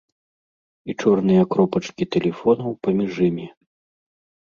І чорныя кропачкі тэлефонаў паміж імі.